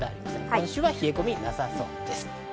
今週は冷え込み、なさそうです。